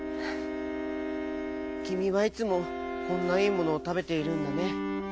「きみはいつもこんないいものをたべているんだね。